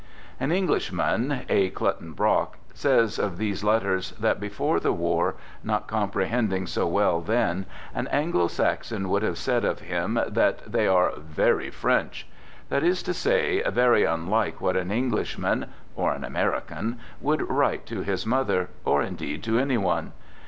An Englishman, A. Clutton Brock, says of these letters that before the war — not comprehending so well then — an Anglo Saxon would have said of them that they are " very French "; that is to say, very unlike what an Englishman (or an Ameri can) would write to his mother, or indeed to any one.